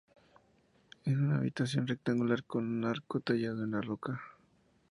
Es una habitación rectangular con un arco tallado en la roca.